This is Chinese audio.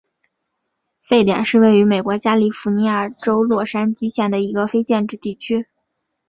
沸点是位于美国加利福尼亚州洛杉矶县的一个非建制地区。